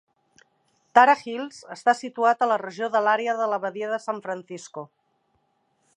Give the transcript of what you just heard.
Tara Hills està situat a la regió de l'Àrea de la Badia de San Francisco.